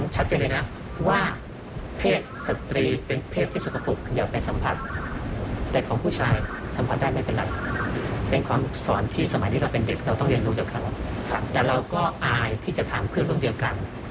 จะถามเพื่อนร่วมเดียวกัน